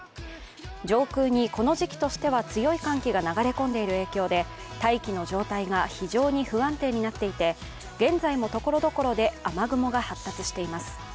上空にこの時期としては強い寒気が流れ込んでいる影響で大気の状態が非常に不安定になっていて現在もところどころで雨雲が発達しています。